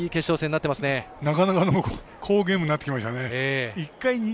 なかなかの好ゲームになってますね。